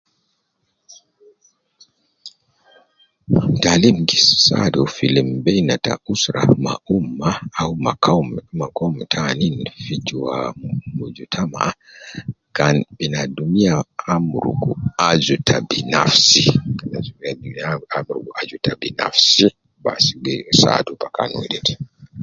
Taalim gi saadu fi lim beina ta usra ma umma au ma kaum ma koum tanin fi jua mujtama kan binadumiya amurugu aju ta binafsi amurugu aju ta binafsi bas wede bi saadu bakan wedede